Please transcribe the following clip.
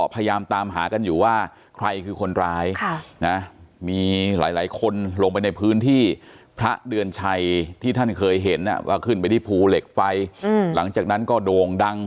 ไปหลังจากนั้นก็โด่งดัง